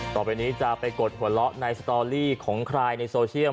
ต่อไปนี้จะไปกดหัวเราะในสตอรี่ของใครในโซเชียล